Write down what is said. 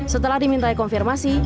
setelah diminta konfirmasi